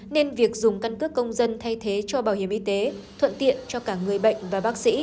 nên việc dùng căn cước công dân thay thế cho bệnh nhân không cần thiết